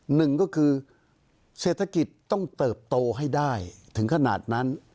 หนึ่งก็คือเศรษฐกิจต้องเติบโตให้ได้ถึงขนาดนั้น